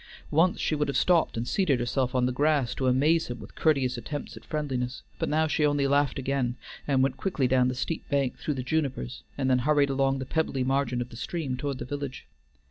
Once she would have stopped and seated herself on the grass to amaze him with courteous attempts at friendliness, but now she only laughed again, and went quickly down the steep bank through the junipers and then hurried along the pebbly margin of the stream toward the village.